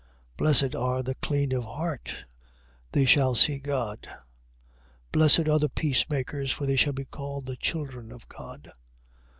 5:8. Blessed are the clean of heart: they shall see God. 5:9. Blessed are the peacemakers: for they shall be called the children of God.